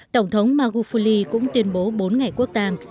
tổng thống magufuli cũng tuyên bố bốn ngày quốc tàng